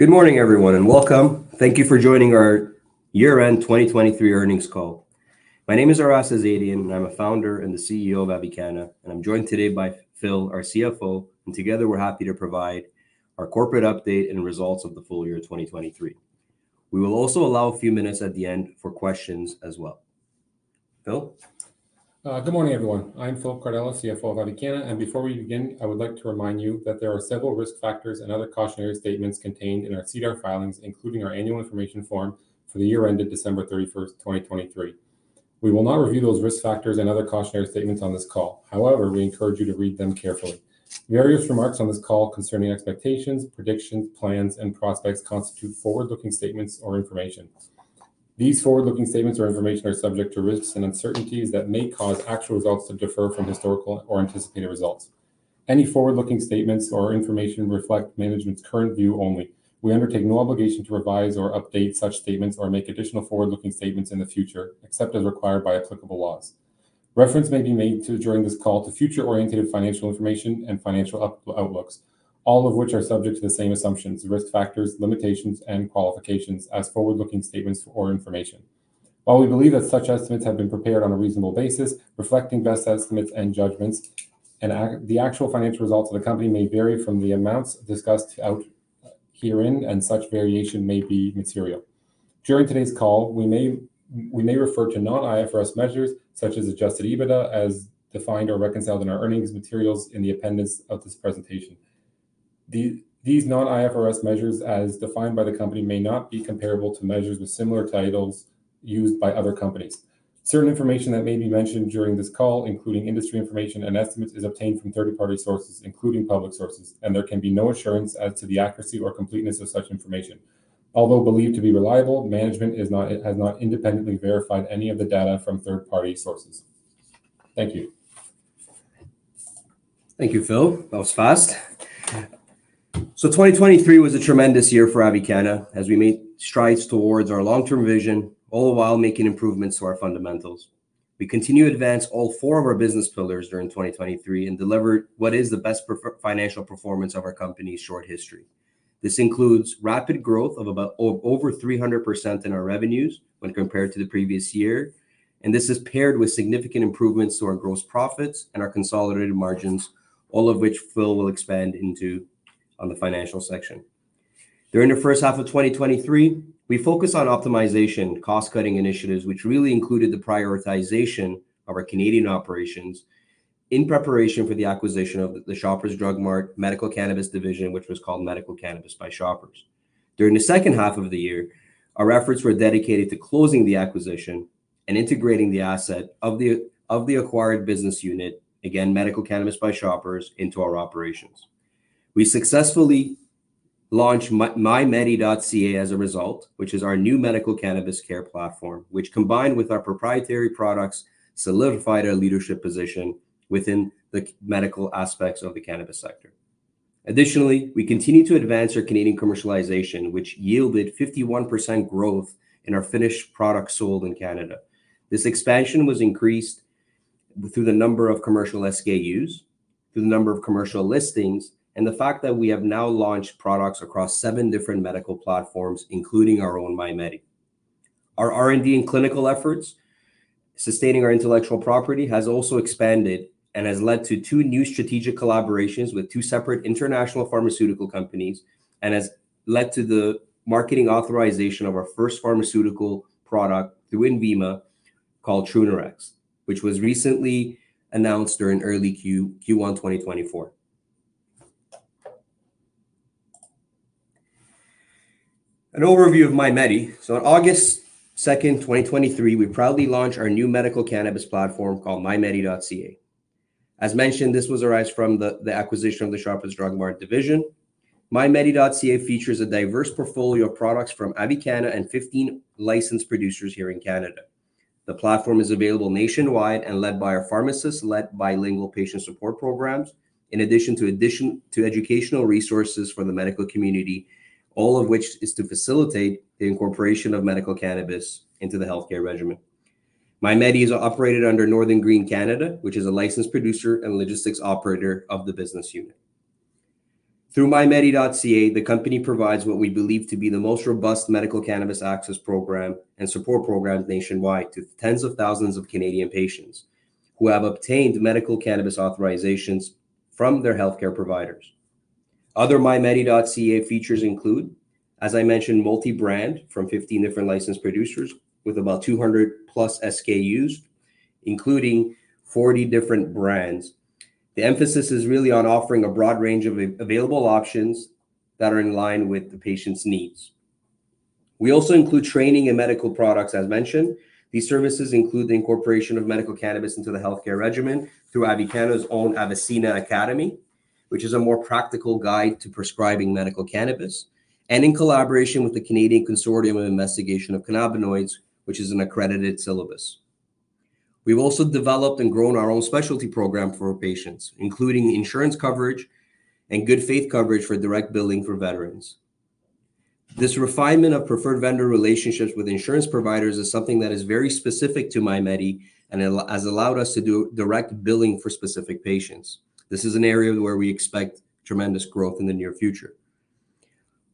Good morning, everyone, and welcome. Thank you for joining our year-end 2023 earnings call. My name is Aras Azadian, and I'm a founder and the CEO of Avicanna, and I'm joined today by Phil, our CFO, and together we're happy to provide our corporate update and results of the full year 2023. We will also allow a few minutes at the end for questions as well. Phil? Good morning, everyone. I'm Phillip Cardella, CFO of Avicanna, and before we begin, I would like to remind you that there are several risk factors and other cautionary statements contained in our SEDAR filings, including our annual information form for the year-end at December 31, 2023. We will not review those risk factors and other cautionary statements on this call. However, we encourage you to read them carefully. Various remarks on this call concerning expectations, predictions, plans, and prospects constitute forward-looking statements or information. These forward-looking statements or information are subject to risks and uncertainties that may cause actual results to differ from historical or anticipated results. Any forward-looking statements or information reflect management's current view only. We undertake no obligation to revise or update such statements or make additional forward-looking statements in the future, except as required by applicable laws. Reference may be made during this call to future-oriented financial information and financial outlooks, all of which are subject to the same assumptions: risk factors, limitations, and qualifications as forward-looking statements or information. While we believe that such estimates have been prepared on a reasonable basis, reflecting best estimates and judgments, and the actual financial results of the company may vary from the amounts discussed herein, and such variation may be material. During today's call, we may refer to non-IFRS measures such as Adjusted EBITDA as defined or reconciled in our earnings materials in the appendix of this presentation. These non-IFRS measures as defined by the company may not be comparable to measures with similar titles used by other companies. Certain information that may be mentioned during this call, including industry information and estimates, is obtained from third-party sources, including public sources, and there can be no assurance as to the accuracy or completeness of such information. Although believed to be reliable, management has not independently verified any of the data from third-party sources. Thank you. Thank you, Phil. That was fast. So 2023 was a tremendous year for Avicanna, as we made strides towards our long-term vision, all the while making improvements to our fundamentals. We continue to advance all four of our business pillars during 2023 and deliver what is the best performing financial performance of our company's short history. This includes rapid growth of about over 300% in our revenues when compared to the previous year, and this is paired with significant improvements to our gross profits and our consolidated margins, all of which Phil will expand into on the financial section. During the first half of 2023, we focused on optimization, cost-cutting initiatives, which really included the prioritization of our Canadian operations in preparation for the acquisition of the Shoppers Drug Mart medical cannabis division, which was called Medical Cannabis by Shoppers. During the second half of the year, our efforts were dedicated to closing the acquisition and integrating the assets of the acquired business unit, again, Medical Cannabis by Shoppers, into our operations. We successfully launched MyMedi.ca as a result, which is our new medical cannabis care platform, which, combined with our proprietary products, solidified our leadership position within the Canadian medical aspects of the cannabis sector. Additionally, we continue to advance our Canadian commercialization, which yielded 51% growth in our finished products sold in Canada. This expansion was increased through the number of commercial SKUs, through the number of commercial listings, and the fact that we have now launched products across seven different medical platforms, including our own MyMedi.ca. Our R&D and clinical efforts, sustaining our intellectual property, has also expanded and has led to two new strategic collaborations with two separate international pharmaceutical companies and has led to the marketing authorization of our first pharmaceutical product through INVIMA called Trunerox, which was recently announced during early Q1 2024. An overview of MyMedi.ca. On August 2, 2023, we proudly launched our new medical cannabis platform called MyMedi.ca. As mentioned, this arose from the acquisition of the Shoppers Drug Mart division. MyMedi.ca features a diverse portfolio of products from Avicanna and 15 licensed producers here in Canada. The platform is available nationwide and led by our pharmacist-led bilingual patient support programs, in addition to educational resources for the medical community, all of which is to facilitate the incorporation of medical cannabis into the healthcare regimen. MyMedi.ca is co-operated under Northern Green Canada, which is a licensed producer and logistics operator of the business unit. Through MyMedi.ca, the company provides what we believe to be the most robust medical cannabis access program and support programs nationwide to tens of thousands of Canadian patients who have obtained medical cannabis authorizations from their healthcare providers. Other MyMedi.ca features include, as I mentioned, multi-brand from 15 different licensed producers with about 200+ SKUs, including 40 different brands. The emphasis is really on offering a broad range of available options that are in line with the patient's needs. We also include training and medical products, as mentioned. These services include the incorporation of medical cannabis into the healthcare regimen through Avicanna's own Avicenna Academy, which is a more practical guide to prescribing medical cannabis, and in collaboration with the Canadian Consortium for the Investigation of Cannabinoids, which is an accredited syllabus. We've also developed and grown our own specialty program for our patients, including insurance coverage and good faith coverage for direct billing for veterans. This refinement of preferred vendor relationships with insurance providers is something that is very specific to MyMedi.ca and all has allowed us to do direct billing for specific patients. This is an area where we expect tremendous growth in the near future.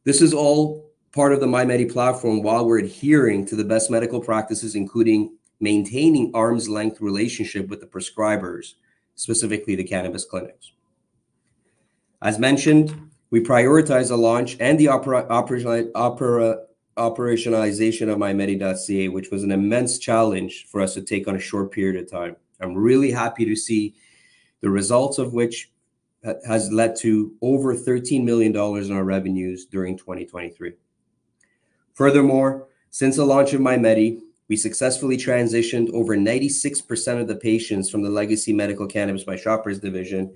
This is all part of the MyMedi.ca platform while we're adhering to the best medical practices, including maintaining arm's length relationship with the prescribers, specifically the cannabis clinics. As mentioned, we prioritized the launch and the operationalization of MyMedi.ca, which was an immense challenge for us to take on a short period of time. I'm really happy to see the results of which has led to over 13 million dollars in our revenues during 2023. Furthermore, since the launch of MyMedi.ca, we successfully transitioned over 96% of the patients from the legacy medical cannabis by Shoppers division.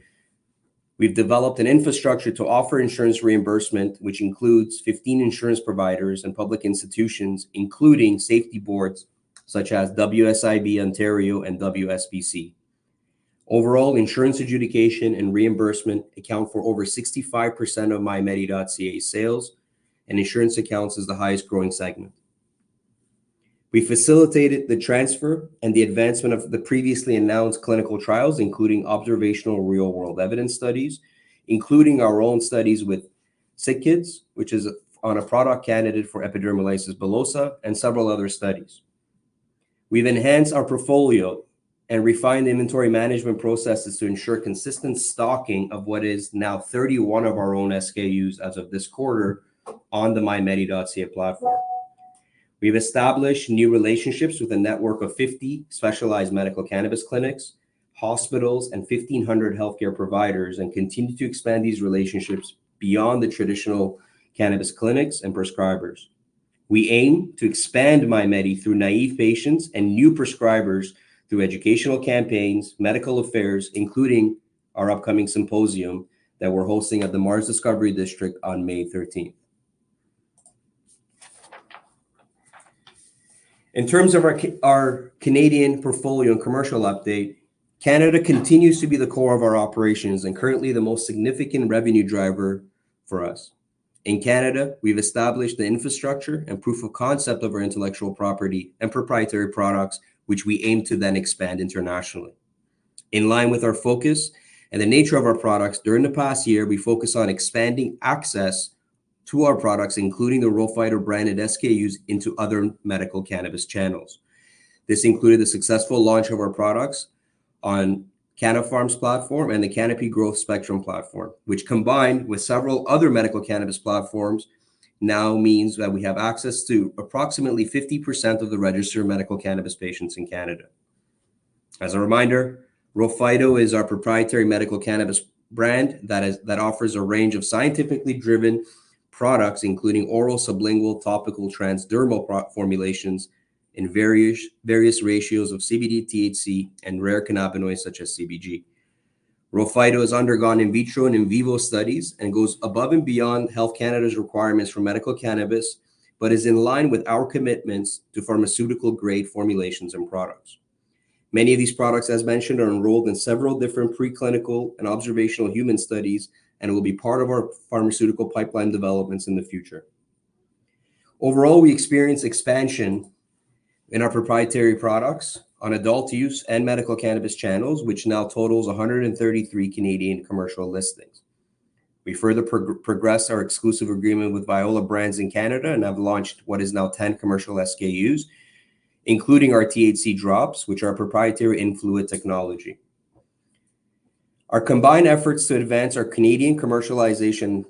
We've developed an infrastructure to offer insurance reimbursement, which includes 15 insurance providers and public institutions, including safety boards such as WSIB Ontario and WSBC. Overall, insurance adjudication and reimbursement account for over 65% of MyMedi.ca sales, and insurance accounts is the highest-growing segment. We facilitated the transfer and the advancement of the previously announced clinical trials, including observational real-world evidence studies, including our own studies with SickKids, which is a follow-on to a product candidate for Epidermolysis Bullosa, and several other studies. We've enhanced our portfolio and refined inventory management processes to ensure consistent stocking of what is now 31 of our own SKUs as of this quarter on the MyMedi.ca platform. We've established new relationships with a network of 50 specialized medical cannabis clinics, hospitals, and 1,500 healthcare providers and continue to expand these relationships beyond the traditional cannabis clinics and prescribers. We aim to expand MyMedi.ca through naive patients and new prescribers through educational campaigns, medical affairs, including our upcoming symposium that we're hosting at the MaRS Discovery District on May 13. In terms of our Canadian portfolio and commercial update, Canada continues to be the core of our operations and currently the most significant revenue driver for us. In Canada, we've established the infrastructure and proof of concept of our intellectual property and proprietary products, which we aim to then expand internationally. In line with our focus and the nature of our products, during the past year, we focused on expanding access to our products, including the RHO Phyto branded SKUs, into other medical cannabis channels. This included the successful launch of our products on Canna Farms' platform and the Canopy Growth Spectrum platform, which, combined with several other medical cannabis platforms, now means that we have access to approximately 50% of the registered medical cannabis patients in Canada. As a reminder, RHO Phyto is our proprietary medical cannabis brand that offers a range of scientifically driven products, including oral, sublingual, topical, transdermal pro formulations in various ratios of CBD, THC, and rare cannabinoids such as CBG. RHO Phyto has undergone in vitro and in vivo studies and goes above and beyond Health Canada's requirements for medical cannabis but is in line with our commitments to pharmaceutical-grade formulations and products. Many of these products, as mentioned, are enrolled in several different preclinical and observational human studies and will be part of our pharmaceutical pipeline developments in the future. Overall, we experience expansion in our proprietary products on adult use and medical cannabis channels, which now totals 133 Canadian commercial listings. We further progress our exclusive agreement with Viola brands in Canada and have launched what is now 10 commercial SKUs, including our THC drops, which are proprietary infused technology. Our combined efforts to advance our Canadian commercialization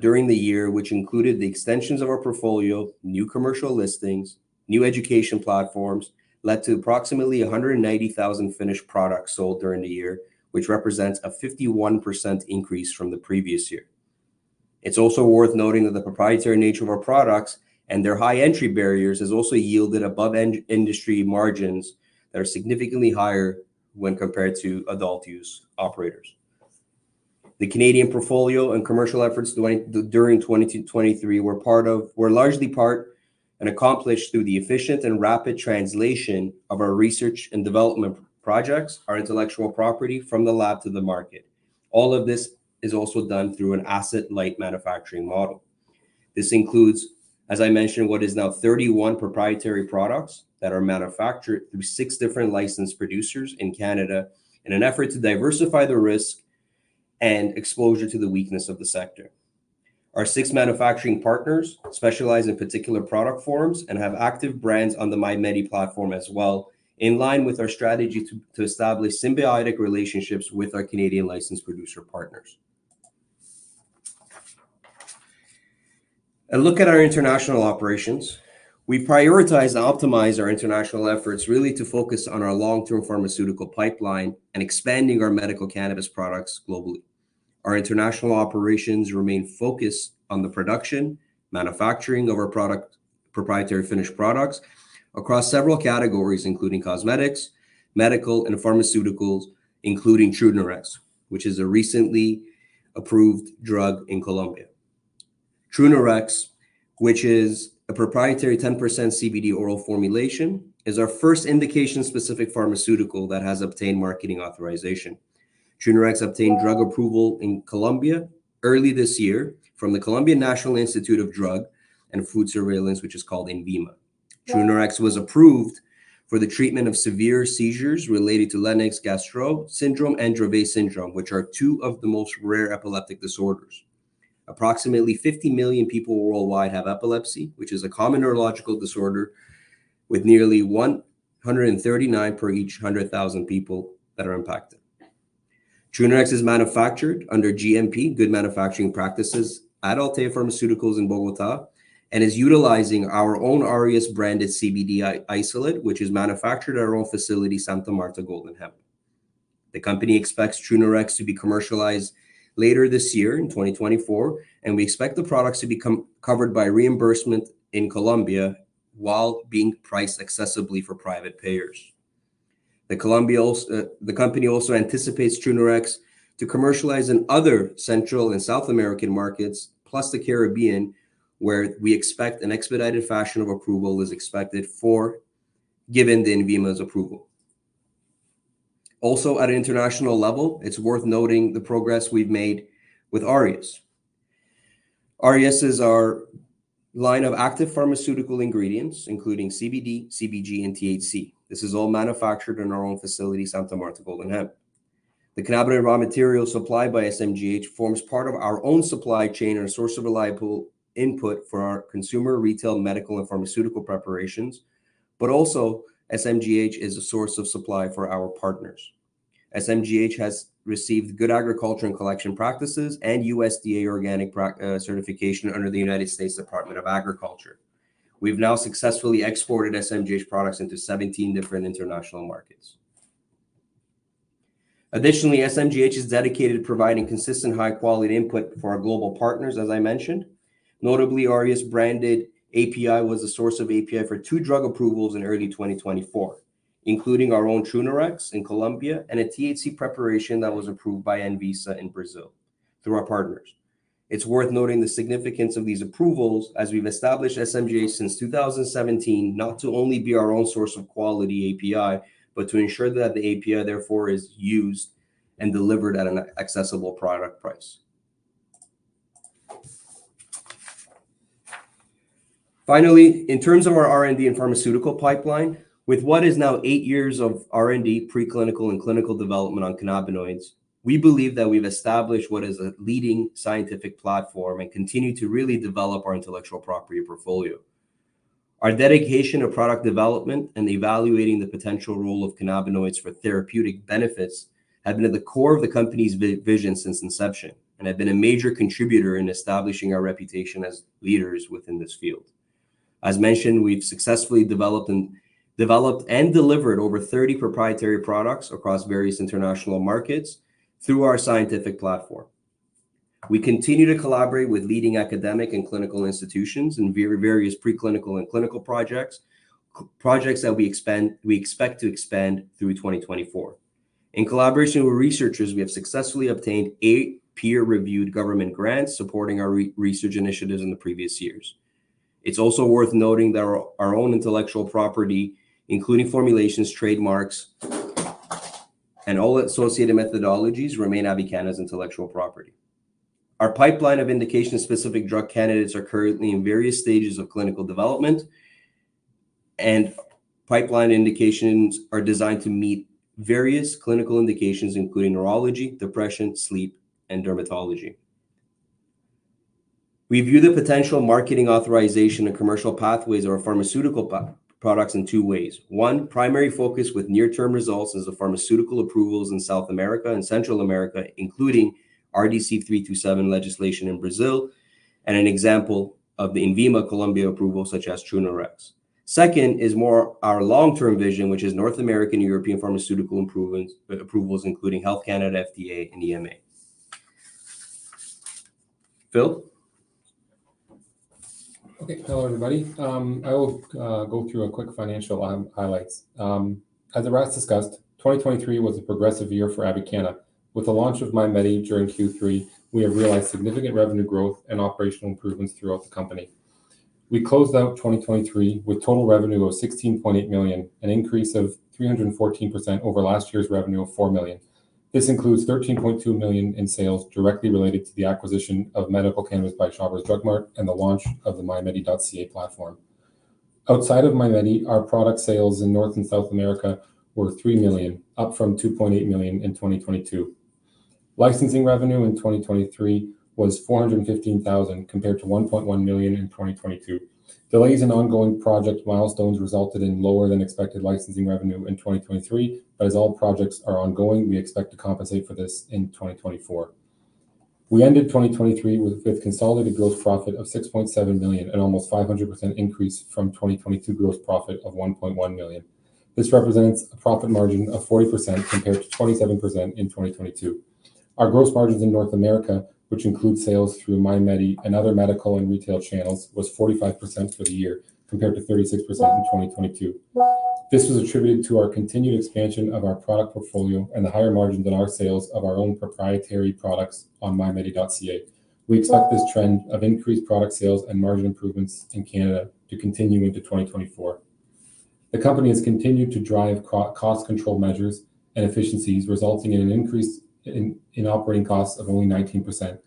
during the year, which included the extensions of our portfolio, new commercial listings, and new education platforms, led to approximately 190,000 finished products sold during the year, which represents a 51% increase from the previous year. It's also worth noting that the proprietary nature of our products and their high entry barriers has also yielded above-end industry margins that are significantly higher when compared to adult use operators. The Canadian portfolio and commercial efforts during 2023 were largely accomplished through the efficient and rapid translation of our research and development projects, our intellectual property, from the lab to the market. All of this is also done through an asset-light manufacturing model. This includes, as I mentioned, what is now 31 proprietary products that are manufactured through 6 different licensed producers in Canada in an effort to diversify the risk and exposure to the weakness of the sector. Our 6 manufacturing partners specialize in particular product forms and have active brands on the MyMedi.ca platform as well, in line with our strategy to establish symbiotic relationships with our Canadian licensed producer partners. A look at our international operations. We prioritize and optimize our international efforts, really, to focus on our long-term pharmaceutical pipeline and expanding our medical cannabis products globally. Our international operations remain focused on the production, manufacturing of our product proprietary finished products across several categories, including cosmetics, medical, and pharmaceuticals, including Trunerox, which is a recently approved drug in Colombia. Trunerox, which is a proprietary 10% CBD oral formulation, is our first indication-specific pharmaceutical that has obtained marketing authorization. Trunerox obtained drug approval in Colombia early this year from the Colombian National Institute of Drug and Food Surveillance, which is called INVIMA. Trunerox was approved for the treatment of severe seizures related to Lennox-Gastaut syndrome and Dravet syndrome, which are two of the most rare epileptic disorders. Approximately 50 million people worldwide have epilepsy, which is a common neurological disorder, with nearly 139 per each 100,000 people that are impacted. Trunerox is manufactured under GMP, Good Manufacturing Practices, Altea Farmacéutica in Bogotá, and is utilizing our own Aureus-branded CBD isolate, which is manufactured at our own facility, Santa Marta Golden Hemp. The company expects Trunerox to be commercialized later this year, in 2024, and we expect the products to become covered by reimbursement in Colombia while being priced accessibly for private payers. The company also anticipates Trunerox to commercialize in other Central and South American markets, plus the Caribbean, where we expect an expedited fashion of approval is expected for given the INVIMA's approval. Also, at an international level, it's worth noting the progress we've made with Aureus. Aureus is our line of active pharmaceutical ingredients, including CBD, CBG, and THC. This is all manufactured in our own facility, Santa Marta Golden Hemp. The cannabinoid raw materials supplied by SMGH form part of our own supply chain and a source of reliable input for our consumer retail medical and pharmaceutical preparations, but also, SMGH is a source of supply for our partners. SMGH has received Good Agriculture and Collection Practices and USDA organic certification under the United States Department of Agriculture. We've now successfully exported SMGH products into 17 different international markets. Additionally, SMGH is dedicated to providing consistent, high-quality input for our global partners, as I mentioned. Notably, Aureus-branded API was a source of API for two drug approvals in early 2024, including our own Trunerox in Colombia and a THC preparation that was approved by INVIMA in Brazil through our partners. It's worth noting the significance of these approvals, as we've established SMGH since 2017, not to only be our own source of quality API but to ensure that the API, therefore, is used and delivered at an accessible product price. Finally, in terms of our R&D and pharmaceutical pipeline, with what is now eight years of R&D, preclinical, and clinical development on cannabinoids, we believe that we've established what is a leading scientific platform and continue to really develop our intellectual property portfolio. Our dedication to product development and evaluating the potential role of cannabinoids for therapeutic benefits have been at the core of the company's vision since inception and have been a major contributor in establishing our reputation as leaders within this field. As mentioned, we've successfully developed and delivered over 30 proprietary products across various international markets through our scientific platform. We continue to collaborate with leading academic and clinical institutions in very various preclinical and clinical projects that we expect to expand through 2024. In collaboration with researchers, we have successfully obtained eight peer-reviewed government grants supporting our research initiatives in the previous years. It's also worth noting that our own intellectual property, including formulations, trademarks, and all associated methodologies, remain Avicanna's intellectual property. Our pipeline of indication-specific drug candidates are currently in various stages of clinical development, and pipeline indications are designed to meet various clinical indications, including neurology, depression, sleep, and dermatology. We view the potential marketing authorization and commercial pathways of our pharmaceutical products in two ways. One, primary focus with near-term results is the pharmaceutical approvals in South America and Central America, including RDC 327 legislation in Brazil and an example of the INVIMA Colombia approval such as Trunerox. Second is more our long-term vision, which is North American and European pharmaceutical approvals, including Health Canada, FDA, and EMA. Phil? Okay. Hello, everybody. I will go through a quick financial highlights. As Aras discussed, 2023 was a progressive year for Avicanna. With the launch of MyMedi during Q3, we have realized significant revenue growth and operational improvements throughout the company. We closed out 2023 with total revenue of 16.8 million, an increase of 314% over last year's revenue of 4 million. This includes 13.2 million in sales directly related to the acquisition of medical cannabis by Shoppers Drug Mart and the launch of the MyMedi.ca platform. Outside of MyMedi, our product sales in North and South America were 3 million, up from 2.8 million in 2022. Licensing revenue in 2023 was 415,000 compared to 1.1 million in 2022. Delays in ongoing project milestones resulted in lower-than-expected licensing revenue in 2023, but as all projects are ongoing, we expect to compensate for this in 2024. We ended 2023 with consolidated gross profit of 6.7 million, an almost 500% increase from 2022 gross profit of 1.1 million. This represents a profit margin of 40% compared to 27% in 2022. Our gross margins in North America, which include sales through MyMedi and other medical and retail channels, was 45% for the year compared to 36% in 2022. This was attributed to our continued expansion of our product portfolio and the higher margin than our sales of our own proprietary products on MyMedi.ca. We expect this trend of increased product sales and margin improvements in Canada to continue into 2024. The company has continued to drive cost control measures and efficiencies, resulting in an increase in operating costs of only 19%.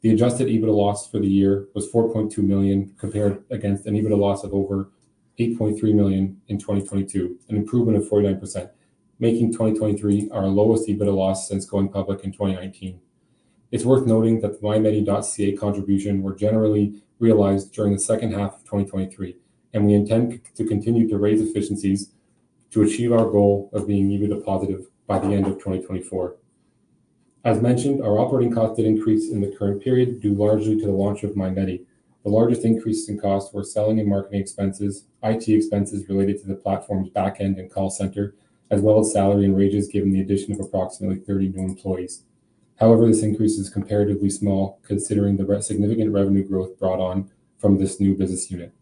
The adjusted EBITDA loss for the year was 4.2 million compared against an EBITDA loss of over 8.3 million in 2022, an improvement of 49%, making 2023 our lowest EBITDA loss since going public in 2019. It's worth noting that the MyMedi.ca contribution was generally realized during the second half of 2023, and we intend to continue to raise efficiencies to achieve our goal of being EBITDA positive by the end of 2024. As mentioned, our operating costs did increase in the current period due largely to the launch of MyMedi.ca. The largest increases in costs were selling and marketing expenses, IT expenses related to the platform's backend and call center, as well as salary and wages given the addition of approximately 30 new employees. However, this increase is comparatively small considering the significant revenue growth brought on from this new business unit.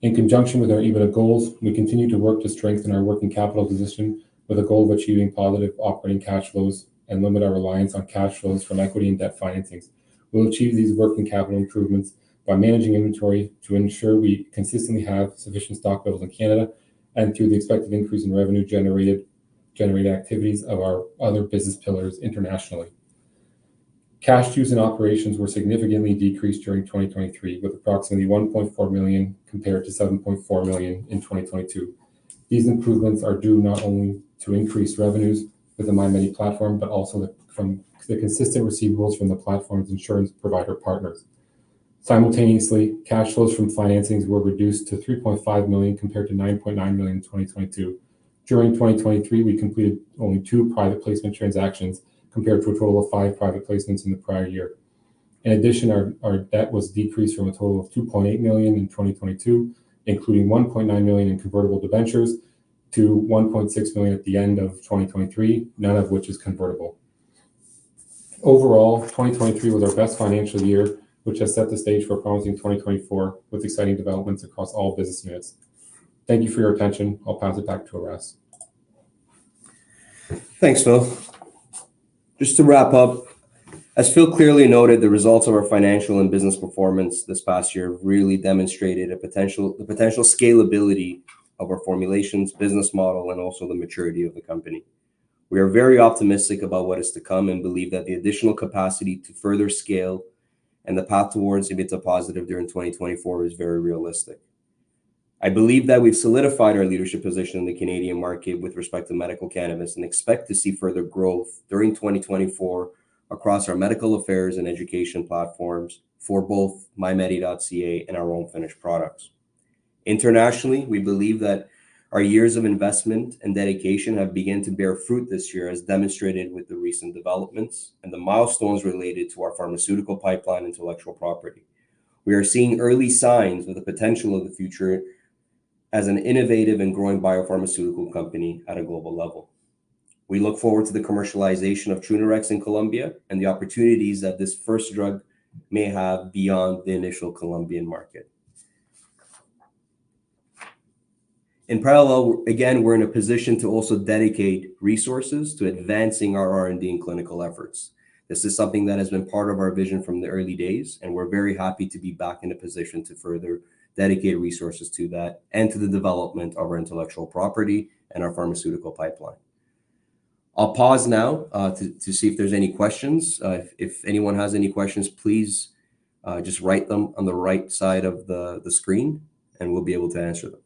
In conjunction with our EBITDA goals, we continue to work to strengthen our working capital position with a goal of achieving positive operating cash flows and limit our reliance on cash flows from equity and debt financings. We'll achieve these working capital improvements by managing inventory to ensure we consistently have sufficient stock levels in Canada and through the expected increase in revenue-generating activities of our other business pillars internationally. Cash use in operations was significantly decreased during 2023 with approximately 1.4 million compared to 7.4 million in 2022. These improvements are due not only to increased revenues with the MyMedi.ca platform but also the consistent receivables from the platform's insurance provider partners. Simultaneously, cash flows from financings were reduced to 3.5 million compared to 9.9 million in 2022. During 2023, we completed only two private placement transactions compared to a total of five private placements in the prior year. In addition, our debt was decreased from a total of 2.8 million in 2022, including 1.9 million in convertible debentures to 1.6 million at the end of 2023, none of which is convertible. Overall, 2023 was our best financial year, which has set the stage for a promising 2024 with exciting developments across all business units. Thank you for your attention. I'll pass it back to Aras. Thanks, Phil. Just to wrap up, as Phil clearly noted, the results of our financial and business performance this past year have really demonstrated the potential scalability of our formulations, business model, and also the maturity of the company. We are very optimistic about what is to come and believe that the additional capacity to further scale and the path towards EBITDA positive during 2024 is very realistic. I believe that we've solidified our leadership position in the Canadian market with respect to medical cannabis and expect to see further growth during 2024 across our medical affairs and education platforms for both MyMedi.ca and our own finished products. Internationally, we believe that our years of investment and dedication have begun to bear fruit this year, as demonstrated with the recent developments and the milestones related to our pharmaceutical pipeline and intellectual property. We are seeing early signs of the potential of the future as an innovative and growing biopharmaceutical company at a global level. We look forward to the commercialization of Trunerox in Colombia and the opportunities that this first drug may have beyond the initial Colombian market. In parallel, we again, we're in a position to also dedicate resources to advancing our R&D and clinical efforts. This is something that has been part of our vision from the early days, and we're very happy to be back in a position to further dedicate resources to that and to the development of our intellectual property and our pharmaceutical pipeline. I'll pause now to see if there's any questions. If anyone has any questions, please just write them on the right side of the screen, and we'll be able to answer them.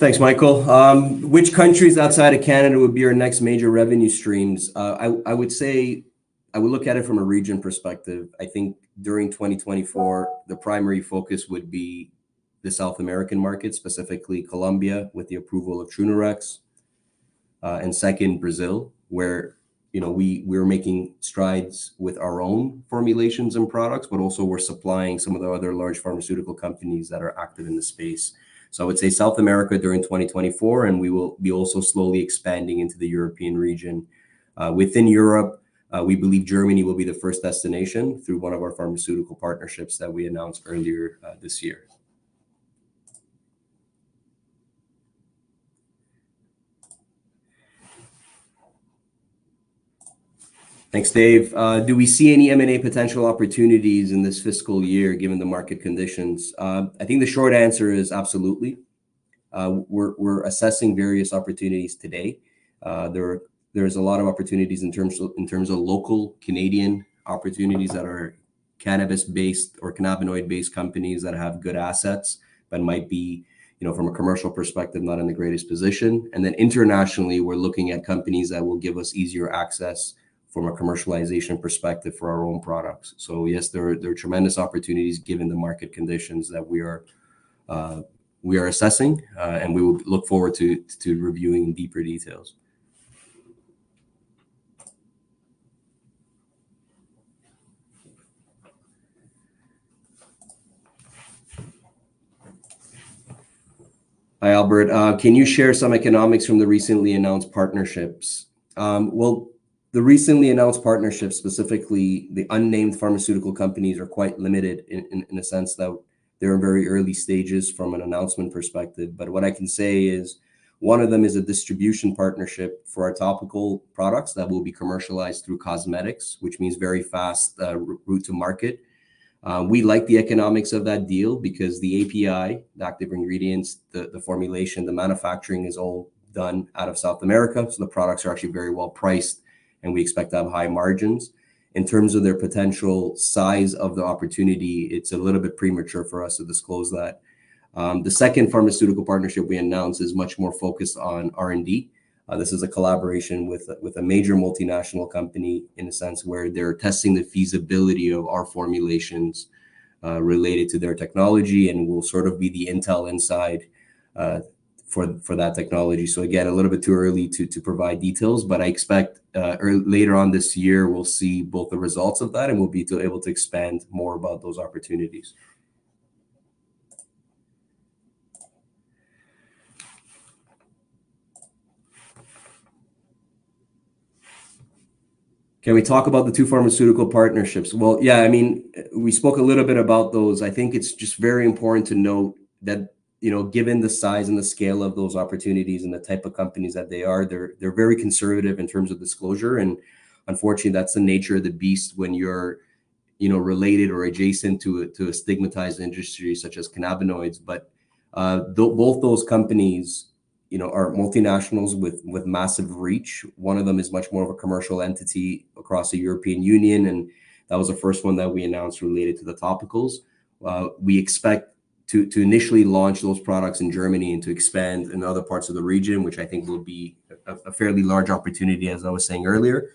Thanks, Michael. Which countries outside of Canada would be our next major revenue streams? I would say I would look at it from a region perspective. I think during 2024, the primary focus would be the South American markets, specifically Colombia with the approval of Trunerox, and second, Brazil, where, you know, we, we're making strides with our own formulations and products, but also we're supplying some of the other large pharmaceutical companies that are active in the space. So I would say South America during 2024, and we will be also slowly expanding into the European region. Within Europe, we believe Germany will be the first destination through one of our pharmaceutical partnerships that we announced earlier this year. Thanks, Dave. Do we see any M&A potential opportunities in this fiscal year given the market conditions? I think the short answer is absolutely. We're assessing various opportunities today. There is a lot of opportunities in terms of local Canadian opportunities that are cannabis-based or cannabinoid-based companies that have good assets but might be, you know, from a commercial perspective not in the greatest position. And then internationally, we're looking at companies that will give us easier access from a commercialization perspective for our own products. So yes, there are tremendous opportunities given the market conditions that we are assessing, and we will look forward to reviewing deeper details. Hi, Albert. Can you share some economics from the recently announced partnerships? Well, the recently announced partnerships, specifically the unnamed pharmaceutical companies, are quite limited in a sense that they're in very early stages from an announcement perspective. But what I can say is one of them is a distribution partnership for our topical products that will be commercialized through cosmetics, which means very fast route to market. We like the economics of that deal because the API, the active ingredients, the formulation, the manufacturing is all done out of South America, so the products are actually very well priced, and we expect to have high margins. In terms of their potential size of the opportunity, it's a little bit premature for us to disclose that. The second pharmaceutical partnership we announced is much more focused on R&D. This is a collaboration with a major multinational company in a sense where they're testing the feasibility of our formulations related to their technology, and we'll sort of be the Intel Inside for that technology. So again, a little bit too early to provide details, but I expect earlier later on this year, we'll see both the results of that, and we'll be able to expand more about those opportunities. Can we talk about the two pharmaceutical partnerships? Well, yeah, I mean, we spoke a little bit about those. I think it's just very important to note that, you know, given the size and the scale of those opportunities and the type of companies that they are, they're very conservative in terms of disclosure. And unfortunately, that's the nature of the beast when you're, you know, related or adjacent to a stigmatized industry such as cannabinoids. But though both those companies, you know, are multinationals with massive reach. One of them is much more of a commercial entity across the European Union, and that was the first one that we announced related to the topicals. We expect to initially launch those products in Germany and to expand in other parts of the region, which I think will be a fairly large opportunity, as I was saying earlier.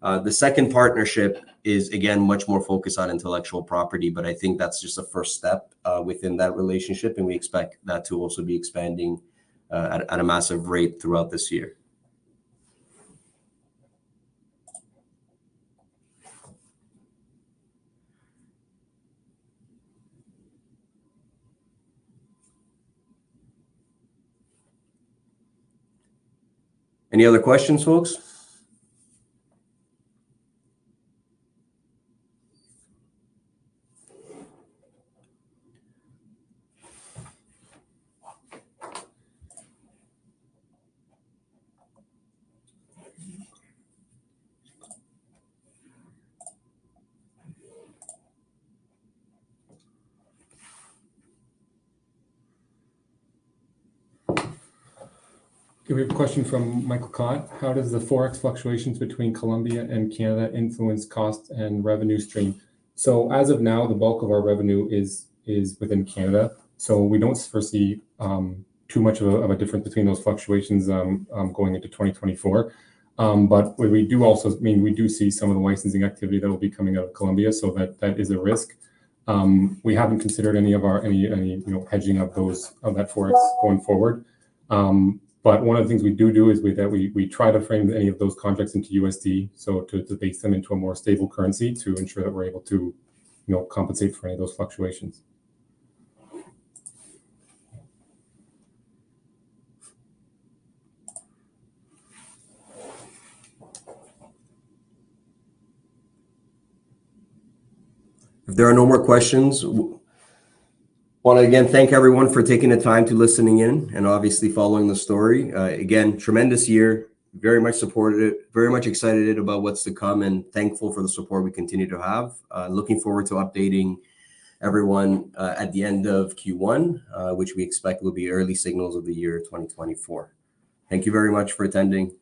The second partnership is, again, much more focused on intellectual property, but I think that's just a first step within that relationship, and we expect that to also be expanding at a massive rate throughout this year. Any other questions, folks? Give me a question from Michael Kott. How does the forex fluctuations between Colombia and Canada influence cost and revenue stream? So as of now, the bulk of our revenue is within Canada, so we don't foresee too much of a difference between those fluctuations going into 2024. But we do also, I mean, we do see some of the licensing activity that will be coming out of Colombia, so that is a risk. We haven't considered any of our, you know, hedging of that forex going forward. But one of the things we do is we try to frame any of those contracts into USD so to base them into a more stable currency to ensure that we're able to, you know, compensate for any of those fluctuations. If there are no more questions, want to again thank everyone for taking the time to listen in and obviously following the story. Again, tremendous year. Very much supported it. Very much excited about what's to come and thankful for the support we continue to have. Looking forward to updating everyone at the end of Q1, which we expect will be early signals of the year 2024. Thank you very much for attending.